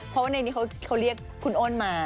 เพราะว่าในนี้เขาเรียกคุณอ้นมา